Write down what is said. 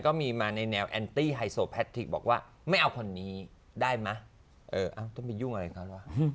ก็มีมาในแนวแอนตี้ไฮโซแพทิกบอกว่าไม่เอาคนนี้ได้ไหมต้องไปยุ่งอะไรเขาว่ะ